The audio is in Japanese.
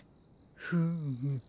フーム。